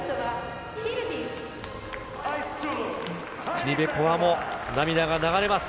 ティニベコワも涙が流れます。